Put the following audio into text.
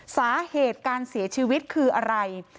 สาเหตุการเสียชีวิตคืออะไร